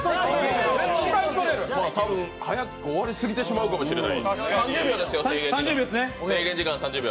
多分、早く終わりすぎてしまうかもしれない、制限時間３０秒。